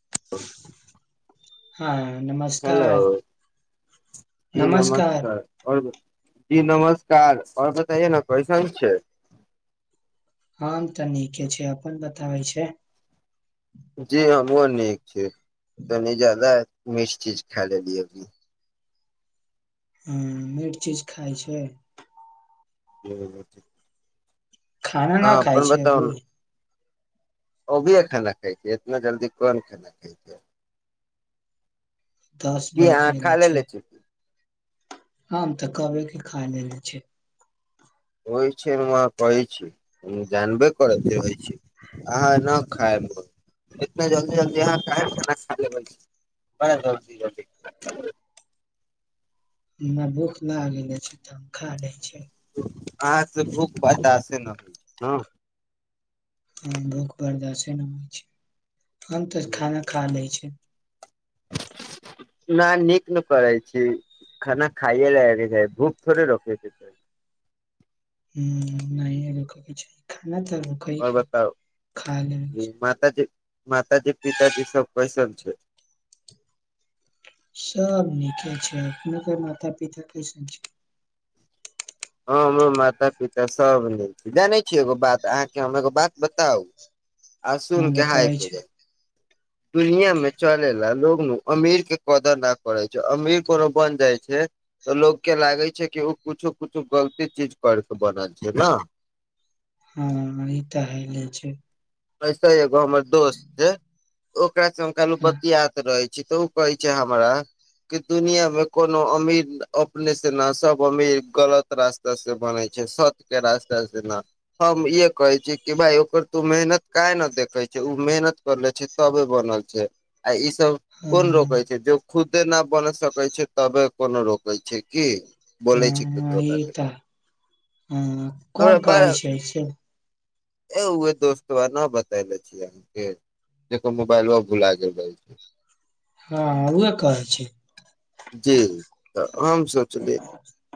[unintelligible] हाँ। हेलो नमस्कार। जी नमस्कार और ब जी नमस्कार और बताइये ने कैसन छै। हम ते नीके छै, अपन बताबै छै। जी हमू नीक छिये तनी जादा उ्मस चीज खा ले ली अभी हूं मीठ चीज खाइ छैय। [unintelligible] खाना ना अहाँ खाय अपन छै बताउ अभी। ने अभिये खाना खाय छै, इतना जल्दी कोन खाना खाय छै। दस की बज अहाँ खा गेले ले ले छै की। हम ते कबे के खा लेले छै। होय छै, हम अहाँ कहै छी, हम जानबे करै छी होय छै, अहाँ ना खाएब, एतना जल्दी-जल्दी अहाँ काहे खाना खा लेबै छी, बड़ा जल्दी-जल्दी ना भूख ला गेले छै ते हम खा लै छै। अहाँ से भूख बर्दासे न हो छै ना। हाँ भूख बर्दासे ना होय छै। हम ते न खाना खा लै छै। न नीक न करै छी, खाना खाये लै के चाही, भूख थोड़े रोके छै कोय। ह्म्म नहिये [unintelligible] रुकै और के नहि, बताउ खा ले छै माता जी, माता जी, पिताजी सब कैसन छै। सब नीके छै, अपने के माता-पिता कैसन छै। हाँ हमरो माता-पिता सब निक छै, जानै छीयै एगो बात अहाँ के हम एगो बात बताउ। आ हँ सुन के हाइक बतबै हो छै जा, दुनिया में चले ला लोग कुनु अमीर के कदर ना करै छै, अमीर कोनो बन जाय छै तऽ लोग के लागे छै कि उ कुछु कुछो गलते चीज कर के बनल छै ना। हाँ ई ते हय ले छै। ऐसे एगो हमर दोस्त छै। ओकरा से हम कल्हू हँ बतीयात रहे छी। तऽ उ कहै छै हमरा कि दुनिया मे कोनो अमीर अपने से ना सब अमीर गलत रास्ता से बनै छै, सच के रास्ता से ना हम इहे कहे छीये कि भाय ओकर तू मेहनत काहे ने देखे छी, उ मेहनत करले छै तबे बनल छै, आय इ सब ह कोन रोकै छै जो खुदे ना बन सकै छै, तबे कोनो रो के छै कि बोैलै छी हाँ ककरो ई बारे ते हाँ हमरा कोन बड़ा कहै छै से। ए उहे दोस्तबा ना बतएले छी अहाँ के, जकर मुबाइलबा भूला गेल रहै छै। हाँ, हाँ उहा कहै छै। जी त हम सोचली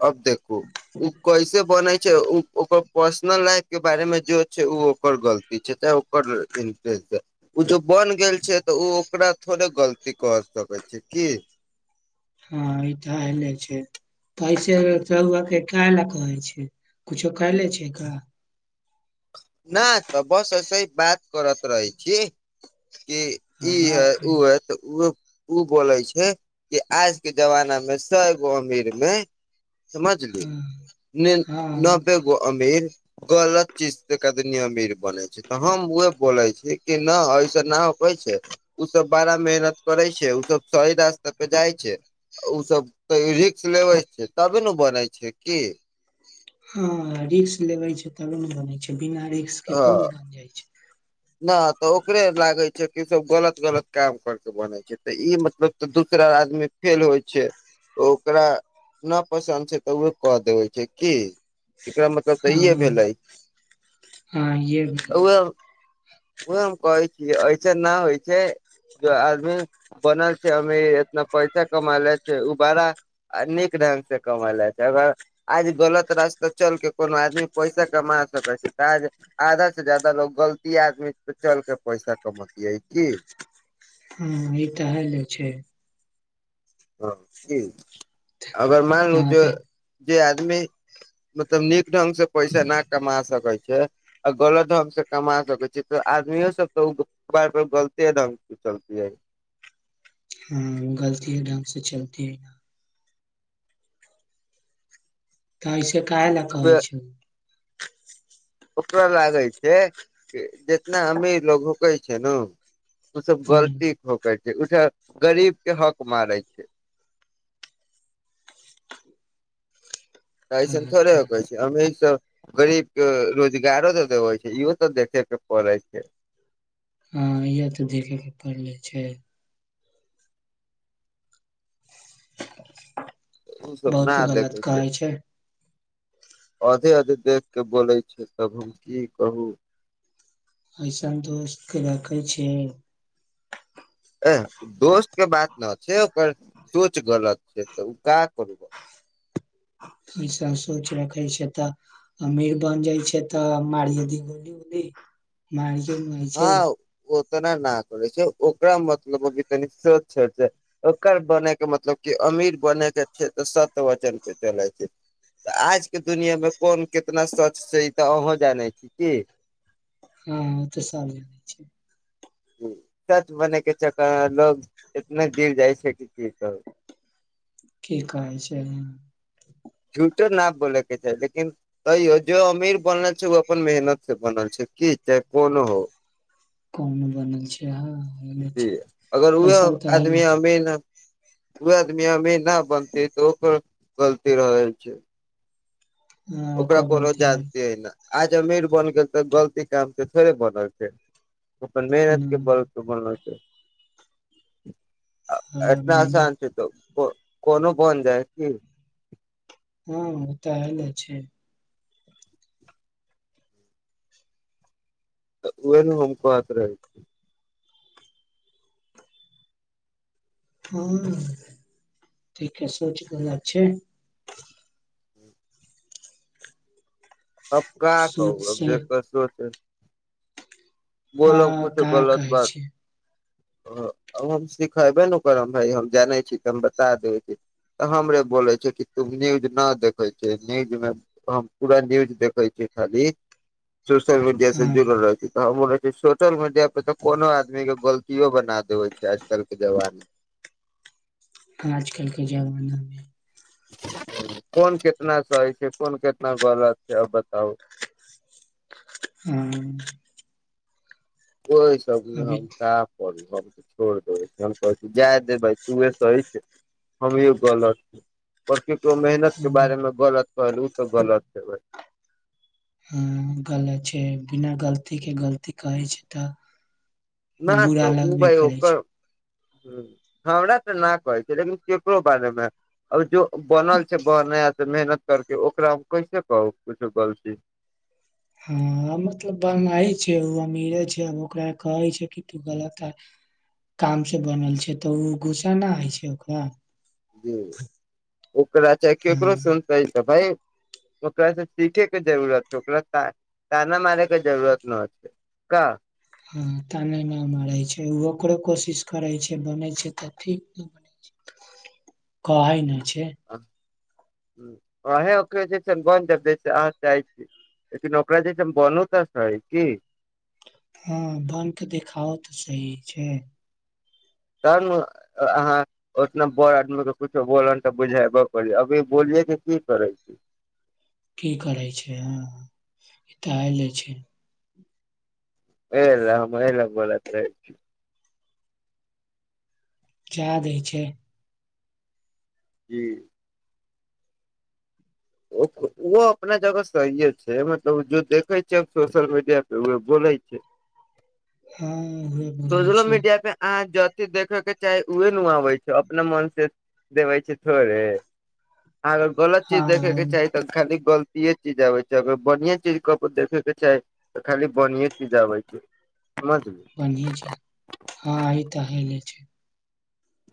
अब देखू उ कैसे बनै छै, उ ओकर पर्सनल लाइफ के बारे मे जे छै उ ओकर गलती छै, चाहे ओकर [unintelligible] कुछो बन गेल छै तऽ उ ओकरा थोड़े गलती कहै सकै छी की। हाँ ई ते आएले छै। पैसे र रौउवा के काए ला कहै छै, कुछो कहले छै का। ना तऽ बस ऐसे ही बात करत रहै छी। कि हां ई है भात खाई। है तऽ उ ओ बोलै छै कि आज के जमाना मे सौगो अमीर मे समझली, हँ निन हँ नब्बेगो अमीर गलत [unintelligible] दनी अमीर बने छै, तऽ हम उहे बोले छी कि ना [unintelligible] छै, उ सब बाड़ा मेहनत करै छै, उ सब सही रास्ता पे जाय छै, उ सब सही रिस्क लेबै छै तबे ने बनै छै की। हाँ रिस्क लेबै छै, तबे ने बनै छै। बिना रिस्क के कोन बन जाय छै। ना तऽ ओकरे लागै छै कि सब गलत-गलत काम करके बनै छै तऽ ई मतलब तऽ दूसरा आदमी फेल होय छै, ओकरा ना पसन्द छै तऽ उहे कऽ देबै छै की। एकरा मतलब ते इहे भेलै। हाँ इहे भेले। उहे उहे हम कहै छीये ऐसन ना हय छै जो आदमी बनल छै अमीर एतना पैसा कमाला छै, उ बड़ा अ नीक ढंग से कमाला छै, अगर आज गलत रास्ता चल के कोनो आदमी पैसा कमा सकै छै तऽ आज आधा से जादा लोग गलती आदमी त चलके पैसा कमतियै की। हाँ ई तऽ हल छै। हां कि अगर मैन लू हँ जे तऽ जे आ दमी मतलब नीक ढंग से पैसा ना कमा सक कै छै आ गलत ढंग से कमा सकै छै तऽ आदमियो सब त उ [unintelligible] गलते ढंग से चलतिये। हाँ गलतिये ढंग से चलतीये। [unintelligible] के काए ला कहै छु। ओकरा लागै छै कि जेतना अमीर लोग होके छैनु। उ सब गलती के होके छै। त गरीब के हक मारै छै। एसन थोड़े ह होकै छै अमीर सब गरीब के रोजगारो तऽ देबै छै, इहो तऽ देखे के पड़ै छै। हाँ इहा ते देखे के पड़लै छै। ओ सब बहुत गलत कहै छै। आधे-आधे देख के बोलै छै, तब हम की कहू। एसन दोस्त के रखै छी। एह दोस्त के बात ना छै, ओकर सोच गलत छै तऽ उ का करू। ई सब सोच रखे छै तऽ अमीर बन जाय छै तऽ मारिये दी गोली-उली, मारी हाँ ओतना न करै छै। ओकरा मतलब अभी तनी सोच छै जे ओकर बने के मतलब कि अमीर बने के छै तऽ सत्य वचन पे चलै छै, त आज के दुनिया मे कोन कितना सच छै ई तऽ अहों जानै छी की। हाँ उ ते सब जाने छै। ह्म्म सच बने के चक्कर मे लोग इतना गिर जाय छै कि की कहु। की कहै छै। त ना बोलै के चाही लेकिन तैयो जो अमीर बनल छै उ अपन मेहनत से बनल छै की चाहे कोनो हो। कोम बनल छा, जी अगर [unintelligible] एसन ते हय नै छै। उ आदमी अमीर ना बनते त ओकर गलती रहै छै। हँ ओकरा ओकर कोनो गलती रहल जानतिये न। आज अमीर बन गेल ते गलती काम के थोड़े बनल छै। उ अपन मेहनत ना। के बल पे बनल छै। अ हाँ, एतना मेहनत असान छै त को कोनो बन जाय की। हां उ ते हेले छै। त उहे ने हम कहत रही। हां ठीके सोच गलत छै। अब का सोच कहू अब से जेकर सोच हँ बोलब कुछु का गलत कहै बात छै अ हम सिखाएबे ने ओकर हम भाय हम जानै छी तऽ हम बता देबै छी तऽ हमरे बोलै छै कि तू न्यूज ना देखै छी, न्यूज मे हम, हम पूरा न्यूज देखै छीये खाली। सोशल मीडिया से हँ जुड़ल रहे छी। हमरे ई सोशल मीडिया पे तऽ कोनो आदमी के गलतियो बना देबे छै आज-कल के जवाना आज-कल के जवाना मे। ह्म्म कोन कितना सही छै, कोन कितना गलत छै, अब बताउ। ह्म्म। ओय सब मे हम का पड़ी। छोड़ देबै छी हम कहै छी जाय दे भाय तूहे सही छी, हमही गलत, पर केकरो मेहनत तो के बारे मे गलत कहलु तऽ गलत हेबै। हाँ गलत छै, बिना गलती के गलती कहै छै तऽ ना बुरा तऽ उ लगबे भाय करै छै ओकर ह्म्म हमरा तऽ ना कहै छै, लेकिन केकरो बारे मे और जो बनल छै, बनाय ते मेहनत करके, ओकरा हम कैसे कहु कुछु गलती हाँ मतलब बनाई छै उ अमीरे छै, अब ओकरा कहै छै कि तू गलत का काम से बनल छै तऽ उ गुस्सा ना हय छै ओकरा। जी, ओकरा चाहे हँ केकरो सुनतेै त भाय ओकरा से सीखे के जरूरत छै, ओकरा ता ताना मारे के जरूरत ना छै का। हां ताना ना मारै छै, उ ओकरो कोशिश करै छै, बनै छै तऽ ठीक ने बने छै ते कहे ने छै। ह्म्म अहैं ओकरा जैसन बन के जैसे अहाँ चाहै छी, लेकिन ओकरा जैसन बनू तऽ सही की। हां बन के देखाबा तऽ सही छै। तहन ने अ अहाँ ओतना बड़ आदमी के कुछो बोलन तऽ बुझाएबो करी, अभी बोलियै के की करै छी। की करै छै, हाँ ई तऽ आएले छै। ए लै हमरे लग [unintelligible] जा दै छै। जी। ओ उहो अपना जगह सहिये छै, मतलब जे देखै छै सोशल मीडिया पे उहे बोलै छै। हां। सोशलो मीडिया पे आज जथि देखे के चाही, उहे आबै छै, अपना मन से देबै छै थोड़े। अहाँ अगर गलत चीज हँ देखे के चाही तऽ खाली गल तीये चीज आबै छै, अगर बढ़ियाँ चीज कबो देखे के चाही तऽ खाली बढ़ियें चीज आबै छै। समझली बनहिये छै। हाँ ई ते हैले छै।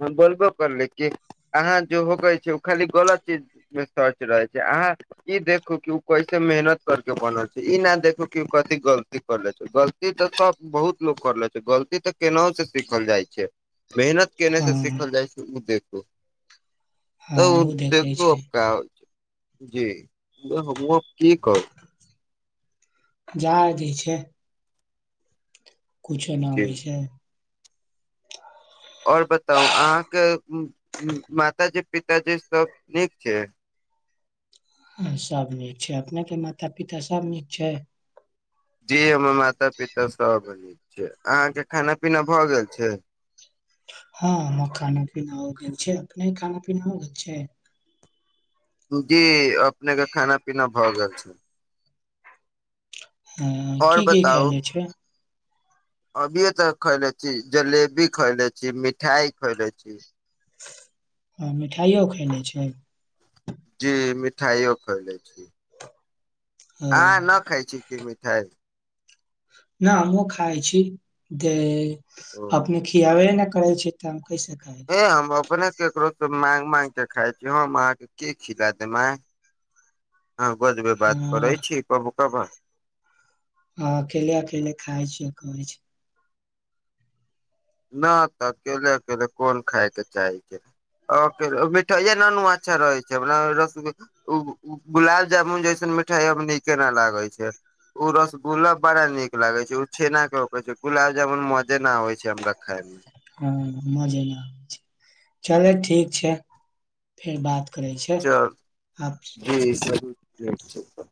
हम बोलबो करली कि अहाँ जे होकै छै उ खाली गलत चीज मे सर्च रहै छै, अहाँ ई देखू कि उ कैसे मेहनत करके बनल छै, ई ना देख उ की कथी गलती करला छै, गलती तऽ सब बहुत लोग करला छै, गलती ते केनहो से सीखल जाय छै, मेहनत केने हँ से सिखल जाय छै, उ देख उ। तऽ हँ उ देखै देखू छै अब का होय छै। जी उहे हमू आब की कहू। जा दी छै। कुछो ना जी होय छै। और बताउ अहाँ के उम्म माताजी-पिताजी सब नीक छै। हां सब नीक छै, अपना के माता-पिता सब नीक छै। जी हमर माता-पिता सब नीक छै, अहाँ के खाना-पीना भऽ गेल छै। हाँ, हाँ खाना-पीना हो गेल छै, अपने के खाना-पीना हो गेल छै। जी अपने के खाना-पीना भऽ गेल छै। हाँ की की खएलै छै। अभिय तऽ खयले छी जलेबी खयले छी मिठाइ खयले छी। [unintelligible] हँ मिठाइओ खयनेइ छै। [unintelligible] जी मिठाइयो खोले छी। [unintelligible] ह अहाँ ना खाय छी की मिठाय। न हम खाइ छी दे [unintelligible] ओ ते। अपने खियाब ने। [unintelligible] करै छै। [unintelligible] छी ए हम अपने। [unintelligible] केकरो से माग माग के खााय छी हम अहाँके की खिला देब। [unintelligible] [unintelligible] ह -ह कबो अकेल अकेल खाय छिय कह छी। नहि तऽ अकेले अकेले कोन खाायके चाहे छैकेल मिठाइए न अच्छा रहै छै हमरा रस गुलाब जामुन जैसन मिठाइयमे नीके नहि लागैत छै ओ रसगुल्ला- बड़ा नीक लागै छै ओ छेना केकै छै गुलाब जामुन मजे नहि आबै छै हमरा। खायब। [unintelligible] हँ मजे -नहि आब छै चले ठीक छै फेर बात। [unintelligible] चल आब [unintelligible] जी सब। छै त। [unintelligible]